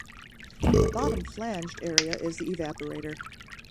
The bottom flanged area is the evaporator.